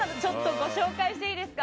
ご紹介していいですか？